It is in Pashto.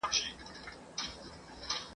نه منزل چاته معلوم دی نه منزل ته څوک رسیږي !.